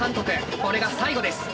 これが最後です。